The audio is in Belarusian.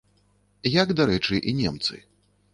Як, дарэчы, і немцы.